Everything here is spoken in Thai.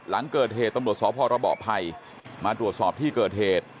หลังเกิดเหตุตำรวจสพรบภัยมาตรวจสอบที่เกิดเหตุ